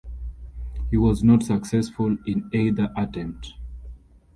He was not successful in either attempt.